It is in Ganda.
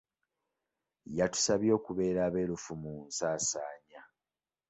Yatusabye okubeera abeerufu mu nsaansaanya.